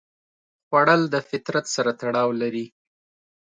خوړل د فطرت سره تړاو لري